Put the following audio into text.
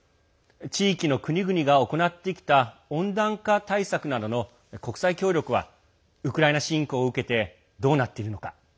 地域の国々が行ってきた温暖化対策などの国際協力はウクライナ侵攻を受けてどうなっているのか。